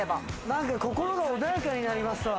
何か心が穏やかになりますわ。